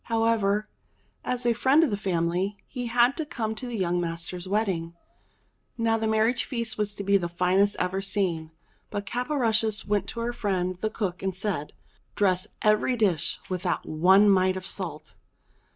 However, as a friend of the family, he had to come to the young master's wedding. Now the marriage feast was to be the finest ever seen ; but Caporushes went to her friend the cook and said : "Dress every dish without one mite of salt."